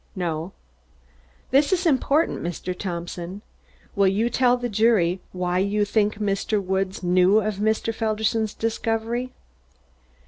"No." "This is important, Mr. Thompson. Will you tell the jury why you think Mr. Woods knew of Mr. Felderson's discovery?"